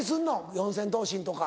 四千頭身とか。